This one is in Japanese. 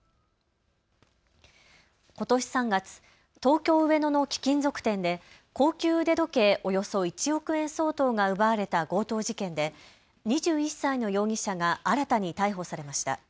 ことし３月、東京上野の貴金属店で高級腕時計およそ１億円相当が奪われた強盗事件で２１歳の容疑者が新たに逮捕されました。